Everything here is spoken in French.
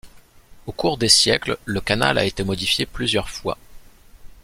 Au cours des siècles, le canal a été modifié plusieurs fois.